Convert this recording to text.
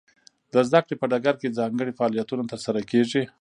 د زده کړې په ډګر کې ځانګړي فعالیتونه ترسره کیږي.